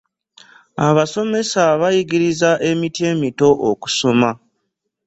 Abasomesa bayigiriza emiti emito okusoma .